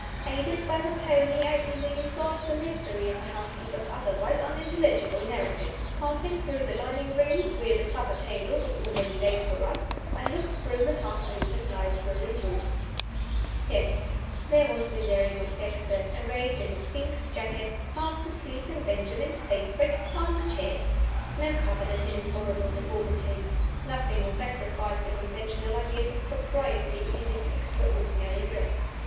Aided by the pony, I easily solved the mystery of the housekeeper's otherwise unintelligible narrative. Passing through the dining room (where the supper table was already laid for us), I looked through the half opened library door. Yes, there was Miserrimus Dexter, arrayed in his pink jacket, fast asleep in Benjamin's favorite arm chair! No coverlet hid his horrible deformity. Nothing was sacrificed to conventional ideas of propriety in his extraordinary dress.